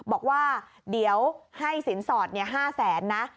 บอกว่าเดี๋ยวให้สินสอด๕๐๐๐๐๐บาท